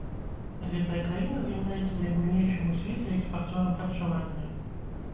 Гэтая краіна з'яўляецца найбуйнейшым у свеце экспарцёрам харчавання.